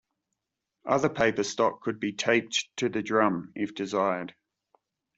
Other paper stock could be taped to the drum if desired.